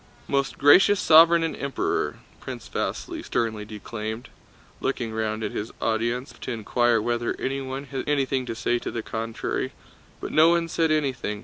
"Most Gracious Sovereign and Emperor!" Prince Vasíli sternly declaimed, looking round at his audience as if to inquire whether anyone had anything to say to the contrary. But no one said anything.